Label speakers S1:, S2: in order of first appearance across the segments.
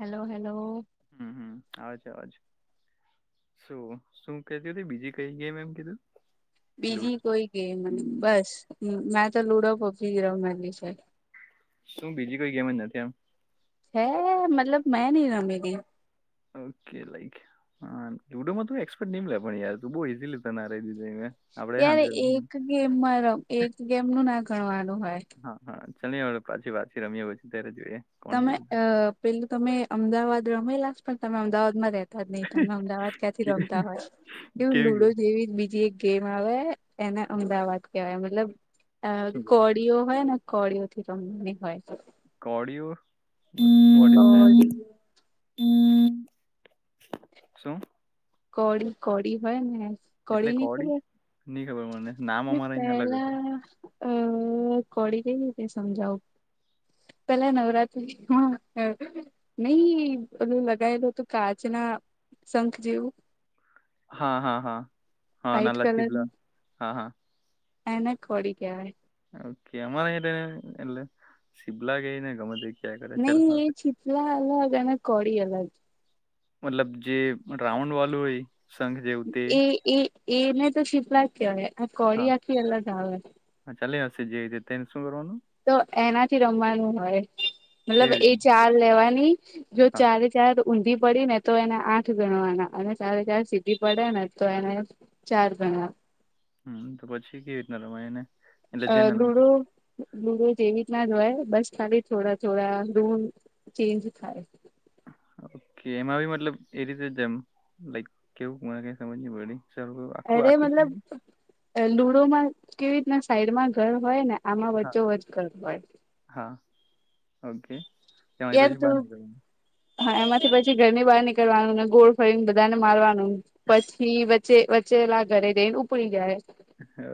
S1: Hello hello.
S2: હમ- હમ આવે છે આવાજ. શું -શું કેતી બીજી કઈ ગેમ એમ કીધું?
S1: બીજી
S2: લુડો
S1: કોઈ કે મને બસ તો લૂડો પોકી ગરા મલી છે
S2: શું બીજી કોઈ ગેમ જ નથી એમ
S1: હે મતલબ મે ની રમેલી
S2: ઓકે લક હ લુડોમાં ત એક્સપર્ટ લે પણ યાર તું બહ ઇઝીલી ત ના દીધું
S1: અત્યારે એક ગેમમાં ર એક ગેમ નું ના ગણવાનું હોય
S2: ચલ પાછી પાછી રમી પછી ત્યારે જોઈએ કોણ
S1: તમે
S2: જીતે
S1: અ પેલું તમે અમદાવાદ રમેલા પણ તમે અમદાવાદ માં રતા નહી તમને અમદાવાદ ક્યાંથી
S2: કે-
S1: રમતા હોય એવું
S2: કેવી
S1: લુડો
S2: ગેમ
S1: જેવી બીજી એક ગેમ આવે એને અમદાવાદ કેહેવાય મતલબ
S2: શું કરે
S1: કોડીઓ હોય ને કોડીઓથી રમવાની હોય છે
S2: કોડીઓ
S1: કોડી
S2: હ શું
S1: કોડી કોડી હોય ને
S2: એટલે
S1: કોળી ની
S2: કોડી
S1: ખબર
S2: ની ખબર મને નામ
S1: મેં
S2: અમારે અહિયાં અલગ હ છે
S1: પહેલા અ કોડી કઈ રીતે સમજાવ પેલા નવરાત્રી હ નહી ઓલું લગાયેલું હતું કાચ ના શંખ જેવું
S2: હા હા હા હા
S1: વ્હાઈટ
S2: નલ
S1: કલર
S2: તીબલા
S1: નું
S2: હા હા
S1: એને કોડી કેવાય
S2: ઓકેમારેને એ શિબ્લા ગઈને ગમત
S1: નહી એ ચીતલા અલગ અને કોડી અલગ
S2: મતલબ જે રાઉન્ડ વાળું હોય સંઘ જેવું તે
S1: એ એ એને તો શિપલા જ કહેવાય આ
S2: હા
S1: કોળી આખી અલગજ આવે
S2: હા ચાલે જે હોઈ તે
S1: તો એનાથી રમવાનું હોય મતલબ
S2: કેવી
S1: એ
S2: રીતનું
S1: ચાર લેવાય જો
S2: હા
S1: ચારે ચાર ઊંધી પડી ને તો એને આઠ ગણવાના અને ચારે ચાર સીધી પડે ને તો એને ચાર ગણવાના હ
S2: હમ તો પછી કેવી રીતના રમાય એને એટલે
S1: અ
S2: જેને રમ
S1: લુડો લુડો જેવી રીતના જ હોય બસ ખાલી થોડા થોડા રૂમ ચેન્જ થાય
S2: ઓકે એમાં બી મતલબ એ રીતે જેમ લાઈક કેવું મને કઈ સમજ પડી ચ આખું
S1: અરે
S2: આખું.
S1: મતલબ લુડોમાં કેવી રીતના સાઈડમાં ઘર હોય ને આમાં
S2: હા
S1: વચ્ચો વચ ઘર હોય.
S2: હા ઓકે કેય
S1: યાર
S2: પછી
S1: તું
S2: બંધ.
S1: હા એમાંથી પછી ઘરની બહાર નીકળવાનુંને ગોળ ફરીને બધા ને મારવાનું પછી વચ્ચે. વચેલા ઘરે દઈ ઉપડી જાય.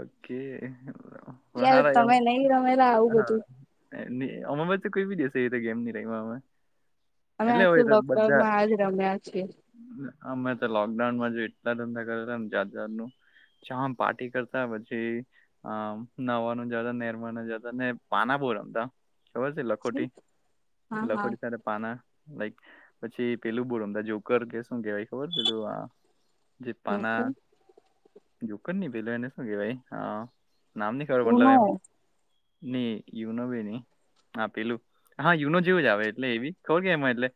S2: ઓકે હ
S1: યાર
S2: વહારા જાઉં.
S1: તમે નહી રમેલા આવું બધું
S2: હા અમાચ કોઈ બી દશે એ તો ગેમ નહી રમે.
S1: અમે
S2: એટલે હોય
S1: આખું
S2: તો બધા
S1: લોકડાઉનમાં આજ રમ્યા છીએ
S2: હ મે તો લોકડાઉન માં એટલા ધંધા કરયા હતા જાત જાત નું ચા પાર્ટી કરતા પછી અ નવાનું જતા નેરવાનું જતા ને પાના બો રમતા. ખબર છે લખોટી
S1: હા હા
S2: લખોટી સાથે પાના. લાઈક પછી પેલું બો રમતા જોકર કે શું કેવાય ખબર પેલું હા. જે પાના
S1: ઓકે
S2: નુકર નની પેલો એને શું કેહેવાય હ. નામ નઈ ખબર મતલબ
S1: ઉનો
S2: એમાં નઈ યુનો ભી નઈ. હા પેલું હા યુનો જેવું જ આવે એટલે એવી ખબર કે એમાં એટલે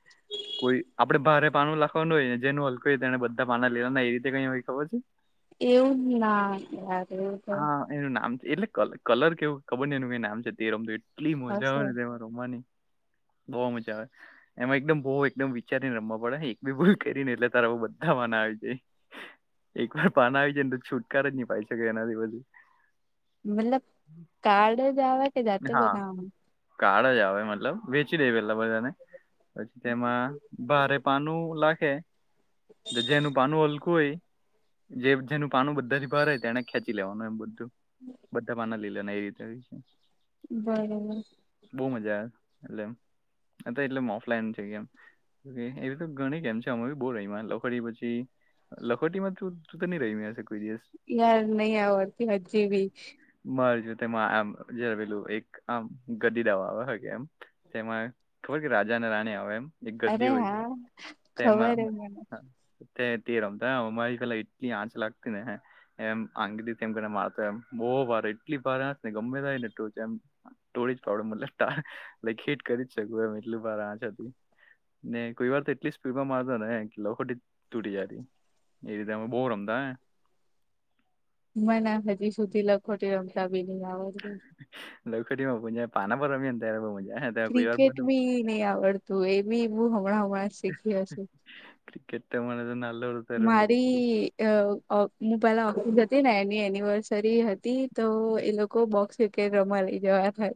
S2: કોઈ આપડે ભારે પાનું લખવાનું હોય ને જેનું હલકો હોય એને બધા પાના લેના એ રીતે કઈ હો ખબર છે.
S1: એવું ના યાર. એવું તો
S2: હા એનું નામ છે એટલે કલર કેવું ખબર એનું એ નામ છે તે રમતો એટલે. એટલી મજા આવેય
S1: હશે
S2: ને તમાં રમવાની.
S1: [inaudible]
S2: બહુ મજા આવે એમાં એકદમ બહું એકદમ વિચારીને રમવા પડે એક બી કરીને એટલે તારા બધા મા હા જે.
S1: [inaudible]
S2: એક વાર પાના આવી જાય ને તો છુટકાર જ નહી પાાય શકે એનાથી બધી
S1: મતલબ કાર્ડ જવા કે જાતે બનાવાનું.
S2: કાળ જ આવે મતલબ વેચી દે પેલા બધાને પછી તેમાં ભારે પાનું લાગે. છે જેનું પાનું હલકું હોય જે જેનું પાનુ બધા થી ભારે તેને ખેંચી લેવાનું એમ બધું બધા પાના લીલાના એ રીતે છે.
S1: બરોબર.
S2: બહુ મજા આવે એટલે તો એટલે ઓફલાઈન છે કે એમ. એ તો ગણી કે એમ છે અમે બી બહુ રહીમાં લોખડી પછી લખોટી માં તું તો નહી રહી મેશે કોઈ દિવસ.
S1: યાર નહી આવ હજી ભી.
S2: મજ તેમાં આમ જે પેલું એક આમ ગદી દવા આવે કે એમ તેમાં રાજાને રાણી આવે એમ એક
S1: અરે
S2: ગદી હોય છે
S1: હા
S2: તેમાં
S1: ખબર હે
S2: તે તી રમતા અમારીલા ટલી આંચ લાગતીને એ આંગી મારતો એમ બહુ ભારી એટલી ભારે ને ગમે તને ટોળી એમ ટોળી. [unintelligible] હિટ કરી જ શકું એ એટલ બધું આ ને કોઈ વાર તો એટલી જ સ્પીડમાં મારતો ને કે લખોટી તૂટી જાતી. એવી રીતે અમે બહુ રમતા.
S1: મને હજી સુધી લખોટી રમતા બી નહી આવડતી.
S2: સિટી માં અહીંયા પાના પર રમીએ ને ત્યારે બહુ મજા આવે. ત્યારે કોઈ વાર
S1: ક્રિકેટ
S2: બંધ
S1: બી નહી આવડતું એ બી મુ હમણાં હમણાં શીખીયો છું.
S2: ક્રિકેટ તે મા ને લાલ.
S1: મારી હું પેલા ઓફિસ હતી ને એની એનિવર્સરી હતી. તે તો એ લોકો બોક્સ કિકેટ રમા લઈ જવા થાય.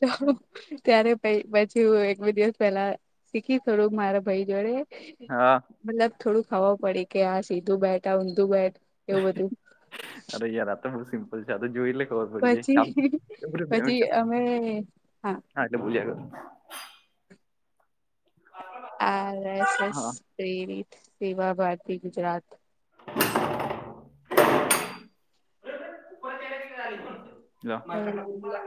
S1: [unintelligible] ત્યારે પાઈ. પછી હું એક બે દિવસ પેલા શીખી થોડુંક મારા ભાઈ જોડે.
S2: હા.
S1: મતલબ થોડું ખબર પડે કે આ સીધું બેઠ આ ઊંધું બેઠ
S2: અરે યાર આ તો બહુ સિમ્પલ છે આ તો જોઈ લે. ખબર
S1: પછી
S2: પડી
S1: પછી
S2: જાય
S1: અમે
S2: હા એટલે ભૂલ્યા કર [inaudible]
S1: હ એ સ્ત્રી સેવા ભારતી ગુજરાત.
S2: [inaudible] [inaudible] [unintelligible] તો આપણે
S1: હેલો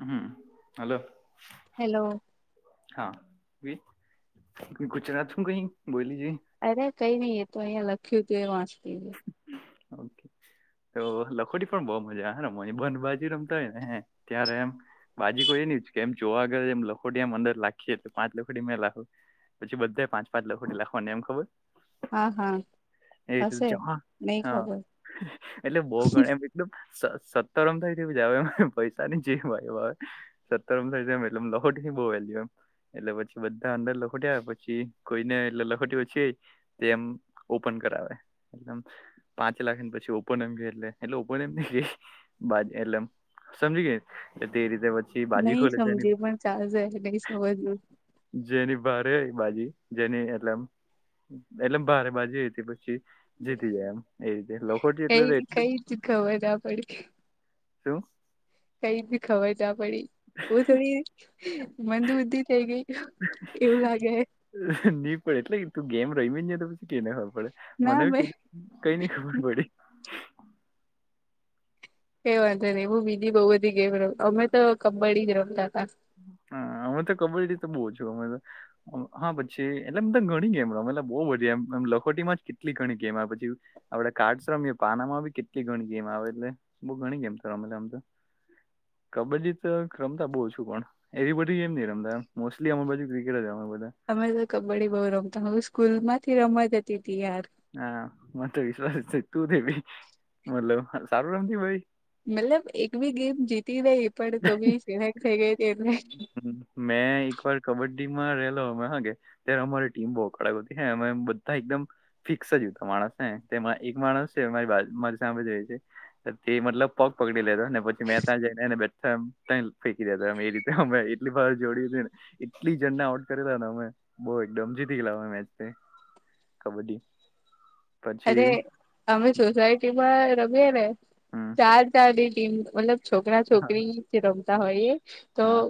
S2: હમ હલો
S1: હેલો.
S2: હા. વી-ગુચરાતું કઈ બોલી જોઈ
S1: અરે કઈ નઈ એ તો અઈયા લખ્યું તું એ વાંચતી તી.
S2: ઓકે
S1: [inaudible]
S2: તો લખોટી પણ બહ મજા રમવાની બંધ બાાજી રમતા હોય ને હે ત્યારે એમ બાજી તો એ ન જ કેમ જોવાગર મ લખોટી મ અંદર લખીએ તો પાંચ લખોટી મે લાખુ પછી બદ્ધે પાંચ પાંચ લખોટી લખવાને એમ ખબર?
S1: હા-હા.
S2: એ
S1: હશે
S2: જમા
S1: નહી
S2: હા
S1: ખબર
S2: એટલે બૌ ગણ એમ એટલું સ- સત્તરમ થઈ જેવું જ આવે એમ- પૈસાની જ- બય-સત્તરમ થઈ જમ- એટલે અમ લખોટ પછી બો વેલ્યુ એમ એટલે પછી બધા અંદર લખોટ્યા પછી કોઈને એટલે લખોટ્યોછી તે એમ ઓપન કરાવે એલમ પાંચ લાખને પછી ઓપોનમ કે એટલે એટલુ ઓપન એમ ની કેય-ખી-ખી બા- એટલેમ સમજી ગય એ-તે રીતે બ
S1: નહી સમજી પણ ચાલશે એ મજવું
S2: જેની ભારે બાજી જેની એટલેમ એટલેમ ભારે બાજી તી પછી જાય એમ એ રીતે લખોટી-ટલું તો
S1: કઈ
S2: એટલું
S1: કઈ જ ખબર ના પડી
S2: શું?
S1: કઈ બી ખબર ના પડી બ-થોડી મંદબુદ્ધિ થેઈ ગેઈ
S2: ની પડે એટલે તું ગેમ રયમી ની તો પછી કેને હબ પડે
S1: ના
S2: મને
S1: મે
S2: કઈ ની ખબર પડી
S1: કે વાંધો ની એવું બીજી બઉુ બધી ગેમ રમ અમે તો કબ્બડી જ રમતા તા
S2: હ અમે તો કબડ્ડી તો બો જ રમેલ અમ હા પછી એટલેમ તો ઘણી ગેમ રમેલા બો બધી એમ-અમ લખોટીમાં જ કેટ-કેટલી ઘણી ગેમ આવ પછી આપડે કાર્ડસ રમીયે, પાનામાં ભી કેટલી ઘણી ગેમ આવે એટલે બો ઘણી ગેમ તો રમેલા અમ તો કબડ્ડી તો રમતા બો ઓછું પણ એવી બધી એમની રમતા અમ મોસ્ટલી અમર બાજુ ક્રિકેટ જ રમે બ
S1: અમે તો કબડ્ડી બઉ રમતા હું સ્કૂલ માંથી રમા જતી
S2: હા મ તો વિશ્વાસ છે તું દવી મતલબ સારું રમતી ભાઈ
S1: મતલબ એક બી ગેમ જીત નઈ પડ તોબી થઈ ગઈ હતી એટલે
S2: લોમે હ ત્યારે અમારી ટીમ બહડ હતી હ અમે બધા એકમ ફિક્સ જ મા તેમાં એક માણસ છે મારી બાજ- મારી સામે જ રેય છે. તે મતલબ પગ પકડી લેતો ને પછી મે તા જઈને બે તમ-ફેલ-ફેંકી દેતા અમે એ રીતે અમે એટલી વાર જોડી ને એટલી જણને આઉટ કરેલા ને અમે બો એકદમ જીતી ગેલા મેચ તે કબડ્ડી
S1: અરે,
S2: પછી
S1: અમે સોસાયટીમાં રમીએે ને.
S2: હમ
S1: ચાર ચાર દિ તેમ મતલબ છોકરા
S2: હા
S1: છોકરી રમતા હોયએ તો
S2: હા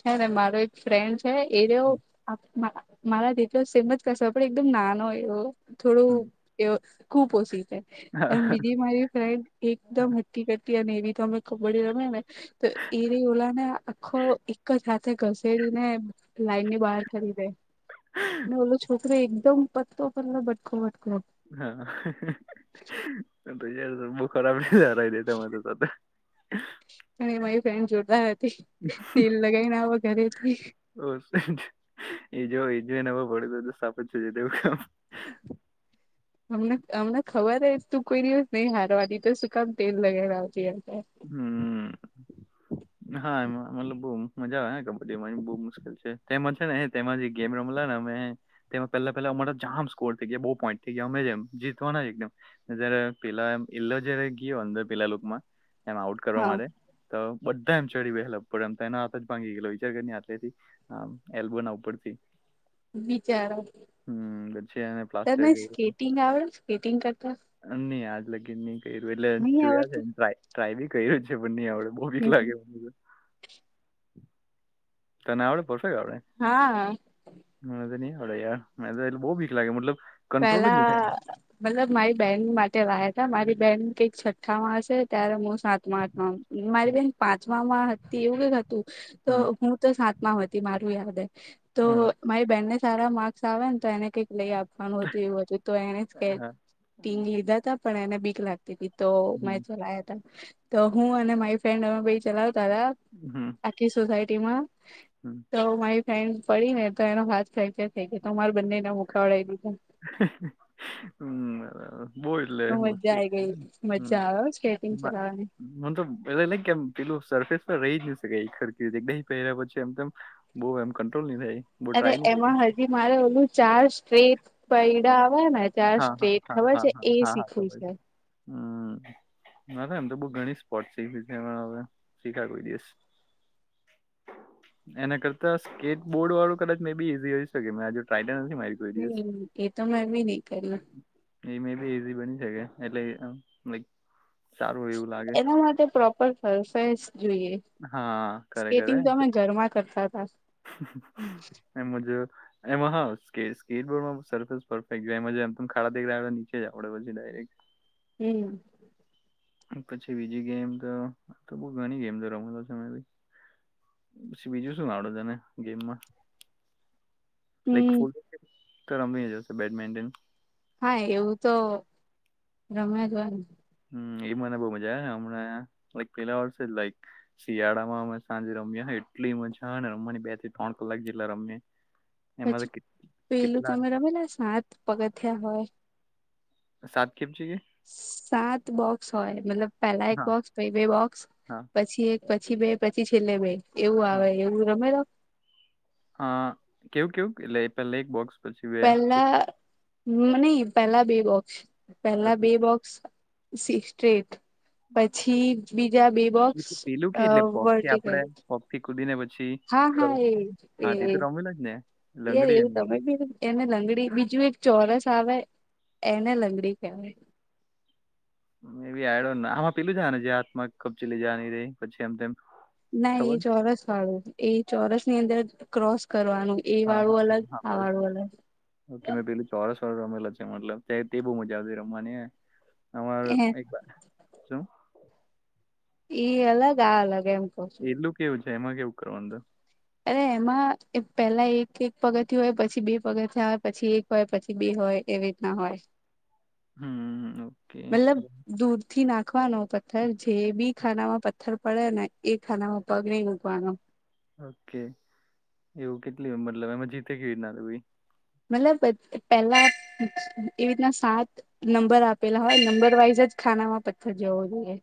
S1: છે ને મારો એક ફ્રેન્ડ છે એરયો મારા તેટલો સેમ જ કસ પણ એકદમ નાનો એવો થોડું
S2: હમ,
S1: એવ ખૂપ ઓશી
S2: હા
S1: બીજી મારી ફ્રેન્ડ એકદમ હટ્ટીકટ્ટી અને એવી તો અમે ખબડી રમે ને- તો એરી ઓલા ને આ-આ-આખો એક જ હાથે ઘસેડીને-મ લાઈનની બહાર ખરીદે ને ઓલો છોકરી એકદમ પતો-પતલો બટખો-વટકો
S2: [inaudible] તું યાર બુ ખરાબ હરાય દેતા [inaudible] તો-તો-તો
S1: ફ્રેન જોતા હતી તેલ લગાઈને આવો ઘરે જ
S2: ઓ [inaudible] એજો-એજો એને બોઉ વડે બધું સ્થાપન છે છે તેવું કામ
S1: અમને અમને ખબર હ તું કોઈ દિવસ નહી હારવાથી તો શું કામ તેલ લગાડવા આવતી એ
S2: હમ હા એમાં મતલબ બહ મજા આવેને કબડ્ડી માં બહુ મુશ્કેલ છે તેમાં છે ને તેમાં જે ગેમ રમલા ને પહેલા પેલા અમારા જામ સ્કોર થઈ ગયા બહુ પોન્ટ થઈ ગયા અમેમ જીતવાના એકમ પેલા એલો જ ગયો અંદર પેલા લુકમાં એમ આઉટ કરવા
S1: હા
S2: માટે તો બધા એમ ચડી વહેલા પડે એમ હા જ ભાંગી ગય વિચાર કરીથી એલ્બ ઉપડથી
S1: બચારો
S2: હમ પછી એને પ્લાસ્ટર
S1: તને
S2: કર્યું
S1: સ્કેટિંગ આવે સ્કેટિંગ કરતા
S2: ન કર્યું એટલે
S1: નહી
S2: જોયા છે
S1: આવડતું
S2: ટ્રાય બી કર છે બીક લાગે તને આવડે ક
S1: હા
S2: આવે નહી આવડે બીક લાગે મતલબ કંટ્રોલ જ
S1: પેલા
S2: ની થાય
S1: મતલબ મારી બેહેન માટે વાતત મારી બેન કઈક છઠ્ઠા માં હશે ત્યારે હું સાતમા આઠ માં મારી બેન પાંચ હતી એવું ક હતું તો
S2: હમ
S1: હું તો સાતમાં હતી મારું યાદ તો
S2: હમ
S1: મારી બેનને સારા માર્ક્સ આવે ને તો એને કઈક લઈ આપે વાનું હતું એવું હતું તો એને કે
S2: હા
S1: ટીંગ લીધા ત પણ એને બીક લાગતા તો મે
S2: હમ
S1: ચલાયા ત તો હું અને મારી ફ્રેન્ડ અમે ચલાવ તારા
S2: હમ
S1: આખી સોસાયટી માં
S2: હમ
S1: તો મારી ફન પડી ને તો એનો હાથ ક્યાં ત્યાં થઈ ગયો તો મારે બંને મુખાવડાાવીધું
S2: હમ બરાબર બહ એટલે
S1: મજા
S2: મુશ્કેલ
S1: આઈ ગઈ
S2: હમ
S1: મજા આવે સ્કેટિંગ ચલાવવાની
S2: હ તો એલે ન કેમ પિલું સર્ફિસ રહી જ ન શકે ખર એક દહી પહેર્યા પછી એમમ બહુ એમ કંટ્રોલ નહી થાય બહુ
S1: અરે
S2: ટ્રાય ની
S1: એમાં
S2: કર્યું
S1: હજી મારે ઓલું ચાર સ્ટ્રેટ પૈડા આવે ને તં
S2: હા હા
S1: સ્ટ્રેટ
S2: હા
S1: ખબર
S2: હા
S1: છે
S2: હા
S1: એ
S2: હા હા
S1: શીખવ
S2: ખબર
S1: છે
S2: હમ ના એમ તો બહ ઘણી સ્પોટ શીખ છે હ શીખાય કોઈ દિવસ એના કરતા સ્કેટ બોર્ડ વાળું કદાચ મે બી ઈઝી હોય શકે મે આજુ ટ્રાય નથી મારી કોઈ દિવસ
S1: નહી એ તો મેમી નહી કરલા
S2: મે બી ઈઝી બની શકે એટલે લક
S1: એના માટે પ્રોપર ફફાઈ જ જોઈએ
S2: હા
S1: સ્કેટિંગ તો અમે ઘરમાં કરતા હતા
S2: એ મજા એમાં સ્ટોર્ડફેસ પરફેકમાંમ ખાડા દ નીચે જ આવડે પછી ડાયરેક્ટ
S1: હમ
S2: પછી બીજી ગેમ તો બ ઘણી ગેમ તો રમતો છમે પછી બીજું શું લડો તને ગેમમાં
S1: હમ
S2: [inaudible] તો રમવી જશે બેડમિન્ટન
S1: હા એવું તો રમે જ હોય
S2: હમ એ મને બઉ મજા આવે હમને લક પેલા વર્ષે જ લાઈક શિયાળા માં અમે સાંજે રમ્યા એટલી મજા ને રમવાની બે થી ત્રણ કલાક જેટલા રમે
S1: પછી પેલું તમે રમે ને સાત પગથિયા હોય
S2: સાત કેમ છે કે
S1: સાત બોક્સ હોય મતલબ પેલા એક
S2: હા
S1: બોક્સ પછ બે બોક્સ
S2: હા
S1: પછી એક પછી બે પછી છેલ્લે બે એવું
S2: હા
S1: આવે એવું રમેલો
S2: હા કેવું કેવું એટલે પેલા એક બોક્સ પછી બે
S1: પેલા નહી પેલા બે બોક્સ પેલા બે
S2: પછી
S1: બોક્સ સ સ્રેટ પછી જ્યાં બે
S2: એ
S1: બોક્સ
S2: તો પેલું કે
S1: અ
S2: એટલે પોપ થી
S1: વર્ટિકલ
S2: આપડે પોપ થી કૂદીને પછી
S1: હા હા
S2: કરવાનું
S1: એ
S2: હા તે તો રમેલા જ ને
S1: યાર
S2: લંગડી
S1: એવું
S2: એની
S1: તમે બી એને લંગડી બીજ જુ એક ચોરસ આવે એને લંગડી કહેવાય
S2: એ બી આઈ ડોન્ટ નો આમાં પેલું જ ને જે હાથ માં કબચીલી જવા ની રહી પછી એમમ
S1: ના એ ચોરસ વાળું એ ચોરસ ની અંદર ક્રોસ કરવાનું એ
S2: હા હા
S1: વાળું
S2: હા
S1: અલગ આ
S2: હા
S1: વાળું અલગ
S2: ઓકે મેં પેલું ચોરસ રમેલા છે મતલબ તે બહુ મજા આવતી રમવાની અર
S1: અલગ એ
S2: એક શું
S1: ઈ અલગ આ અલગ એમ કઉ છું
S2: તો એમાં કેવું કરવાનુ
S1: અરે એમાં પેલા એક એક પગથિયા હોય પછી બે પગથિયા હોય પછી એક હોય પછી બે હોય એવી રીત ના હોય
S2: હમ ઓકે
S1: મતલબ દૂરથી નાખવાનો પથ્થર જે બી ખાનામાં પથ્થર પડે ને એ ખાનામાં પગ નહી મૂકવાનો
S2: ઓકે એવું કેટલી મતલબ એમાં જીતે કેવી રીતના ભ
S1: મતલબ પેલા એવી રીતના સાત નંબર આપેલા હોય નંબર વાઈઝ બ જ ખાના માં પથ્થર જવો જોઈએ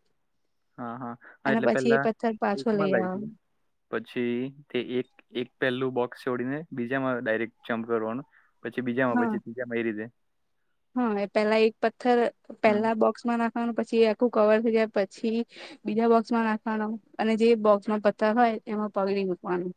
S2: હા હા હા
S1: અને
S2: એટલે
S1: પછી
S2: પેલા
S1: એ પથ્થર પાછો
S2: એકમાં
S1: લઈ
S2: લાગ
S1: આવ
S2: પછી તે એક એક પહેલું બોકસ છોડીને બીજામાં ડાયરેક્ટ જમ્પ કરવાનું પછી બીજામાં
S1: હા
S2: પછી તીજા એ રીતે
S1: હા એ પેલા એક પથ્થર
S2: હમ
S1: પહેલા બોક્સમાં નાખવાનું પછી આખું કવર થઈ જાય પછી બીજા બોક્સમાં નાખવાનું અને જે બોક્સમાં પથર હો એમાં પગડી ની મૂકવાનું